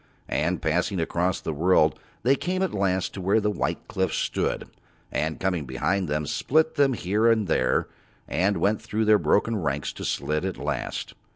And passing across the world they came at last to where the white cliffs stood, and, coming behind them, split them here and there and went through their broken ranks to Slid at last.